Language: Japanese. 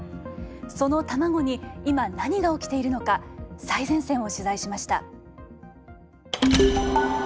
その卵に今何が起きているのか最前線を取材しました。